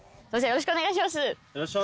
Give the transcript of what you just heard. よろしくお願いします。